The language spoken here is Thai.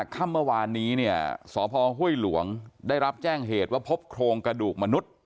ค่ำเมื่อวานนี้เนี่ยสพห้วยหลวงได้รับแจ้งเหตุว่าพบโครงกระดูกมนุษย์